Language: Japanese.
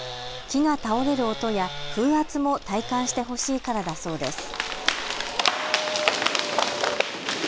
木が倒れる音や風圧も体感してほしいからだそうです。